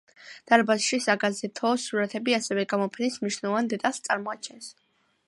დარბაზში საგაზეთო სურათები ასევე გამოფენის მნიშვნელოვან დეტალს წარმოაჩენს.